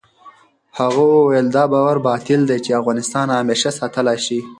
هغه وویل، دا باور باطل دی چې افغانستان همېشه ساتلای شي.